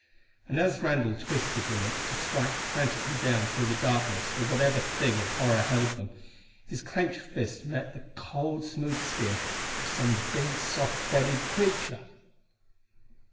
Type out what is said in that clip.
And as Randall twisted in it to strike frantically down through the darkness at whatever thing of horror held them, his clenched fist met but the cold smooth skin of some big, soft bodied creature!